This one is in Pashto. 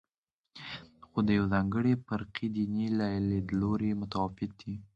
خو د یوې ځانګړې فرقې دیني لیدلوری متفاوت دی.